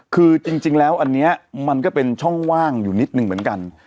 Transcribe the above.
คือจริงแล้วอันนี้มันก็เป็นช่องว่างอยู่นิดหนึ่งเหมือนกัน